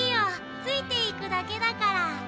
ついていくだけだから。